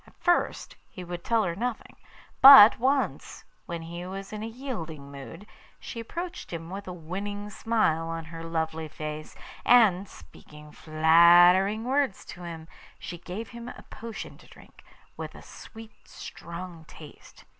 At first he would tell her nothing; but once, when he was in a yielding mood, she approached him with a winning smile on her lovely face, and, speaking flattering words to him, she gave him a potion to drink, with a sweet, strong taste.